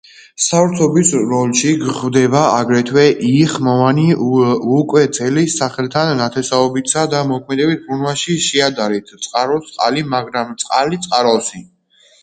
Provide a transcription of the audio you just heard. კოშკი გეგმით წრიულია, ზემოთკენ სწორხაზოვნად შევიწროებული.